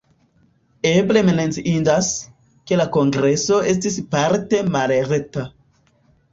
Eble menciindas, ke la kongreso estis parte malreta.